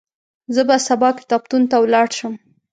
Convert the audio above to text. زه به سبا کتابتون ته ولاړ شم.